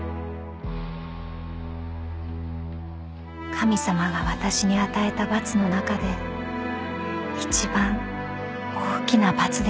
［神様が私に与えた罰の中で一番大きな罰でした］